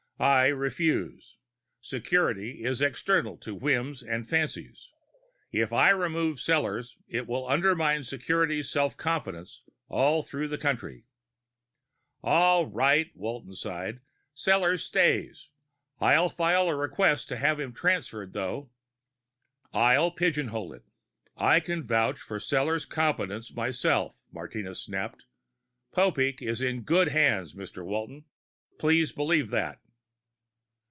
"I refuse. Security is external to whims and fancies. If I remove Sellors, it will undermine security self confidence all throughout the country." "All right," sighed Walton. "Sellors stays. I'll file a request to have him transferred, though." "I'll pigeonhole it. I can vouch for Sellors' competence myself," Martinez snapped. "Popeek is in good hands, Mr. Walton. Please believe that."